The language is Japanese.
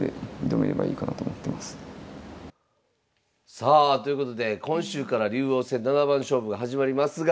さあということで今週から竜王戦七番勝負が始まりますが。